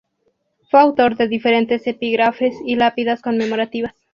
Fue autor de diferentes epígrafes y lápidas conmemorativas.